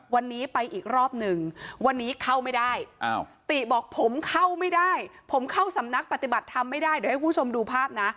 วันนี้ไปอีกรอบหนึ่งวันนี้เข้าไม่ได้ติบอกผมเข้าไม่ได้ผมเข้าสำนักปฏิบัติธรรมไม่ได้เดี๋ยวให้คุณผู้ชมดูภาพนะ